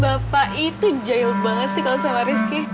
bapak itu jahil banget sih sama rizky